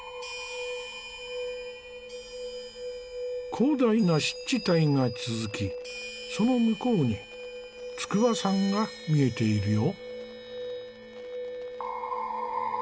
広大な湿地帯が続きその向こうに筑波山が見えているよ。